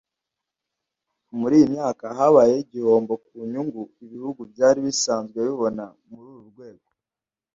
muri iyi myaka habayeho igihombo ku nyungu ibihugu byari bisanzwe bibona muri uru rwego